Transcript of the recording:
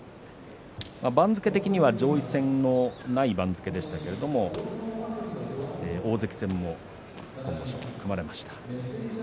番付的には上位戦のない番付でしたけれども大関戦も組まれました。